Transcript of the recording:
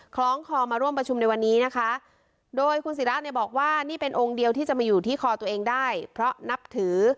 คล้องคอมาร่วมประชุมในวันนี้นะคะโดยคุณศิราเนี่ยบอกว่านี่เป็นองค์เดียวที่จะมาอยู่ที่คอตัวเองได้เพราะนับถือ